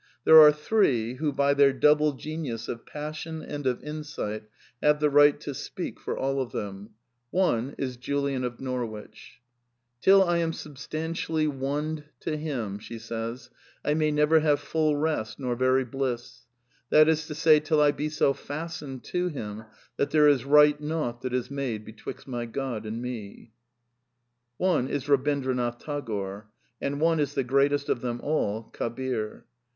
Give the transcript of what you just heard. There are three who, by their double genius of passion and of insight, have the right to speak for all of them. One is Julian of Norwich. " Till I am Substantially oned to Him, I may never have fuU rest nor very bliss : that is to say, till I be so fastened to him that there is right nought that is made betwixt my God and ma" {Bevelationa of Divine Love, p. 10.) One is Eabindranath Tagore. And one is the greatest of them all — Kabir.